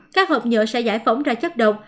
các hộp nhựa sẽ giải phóng ra chất độc